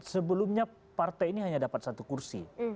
sebelumnya partai ini hanya dapat satu kursi